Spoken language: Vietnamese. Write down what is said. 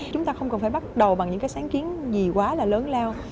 chúng ta không cần phải bắt đầu bằng những cái sáng kiến gì quá là lớn lao